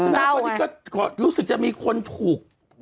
นักวินก็รู้สึกจะมีคนถูก